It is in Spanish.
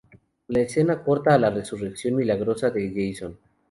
La escena corta a la resurrección milagrosa de Jason.